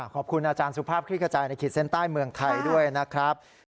ขอบคุณอาจารย์สุภาพคลิกกระจายในขีดเส้นใต้เมืองไทยด้วยนะครับ